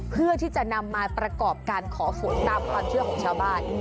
เพื่อที่จะนำมาประกอบการขอฝนตามความเชื่อของชาวบ้าน